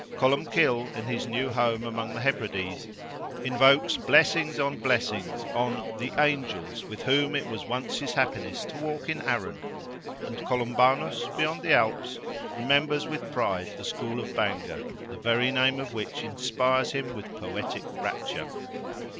Columbkill, in his new home among the Hebrides, invokes blessings on blessings, on "the angels" with whom it was once his happiness to walk in Arran, and Columbanus, beyond the Alps, remembers with pride the school of Bangor—the very name of which inspires him with poetic rapture.